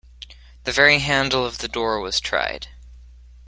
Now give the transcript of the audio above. The very handle of the door was tried.